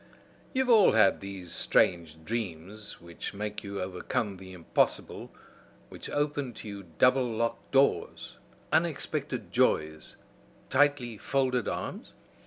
"You have all had these strange dreams which make you overcome the impossible, which open to you double locked doors, unexpected joys, tightly folded arms?